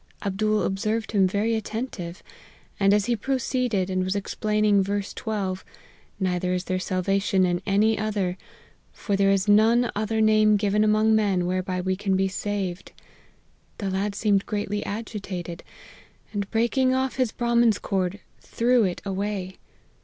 Abdool observed him very attentive ; and as he proceeded, and was explaining verse 12, Neither is there sal vation in any other, for there is none other name given among men, whereby we can be saved,' the lad seemed greatly agitated, and breaking off his Brahmin's cord, threw it away.